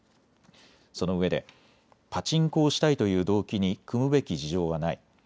そのうえでパチンコをしたいという動機に酌むべき事情はない。